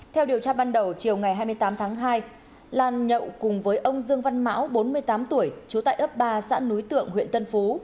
theo điều tra ban đầu chiều ngày hai mươi tám tháng hai lan nhậu cùng với ông dương văn mão bốn mươi tám tuổi trú tại ấp ba xã núi tượng huyện tân phú